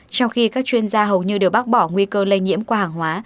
trong khi các chuyên gia hầu như đều bác bỏ nguy cơ lây nhiễm qua hàng hóa